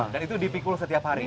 dan itu di pikul setiap hari